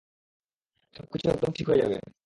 সবকিছু একদম ঠিক হয়ে যাবে।